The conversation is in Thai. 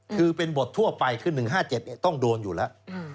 คือเป็นบททั่วไปคือ๑๕๗ต้องโดนอยู่แล้ว